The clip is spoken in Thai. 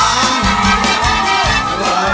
ร้องได้ให้ร้าน